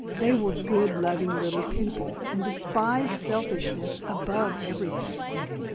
They were good, loving little people, and despised selfishness above everything.